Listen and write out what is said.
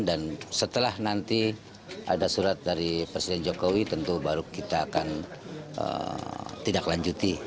dan setelah nanti ada surat dari presiden jokowi tentu baru kita akan tidak lanjuti